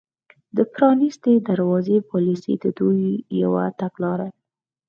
د پرانیستې دروازې پالیسي د دوی یوه تګلاره ده